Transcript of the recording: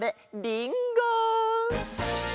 りんご！